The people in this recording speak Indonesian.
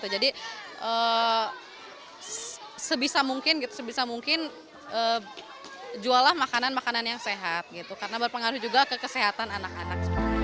jadi sebisa mungkin juallah makanan makanan yang sehat karena berpengaruh juga ke kesehatan anak anak